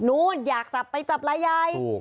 นู้นอยากจับไปจับลายยาย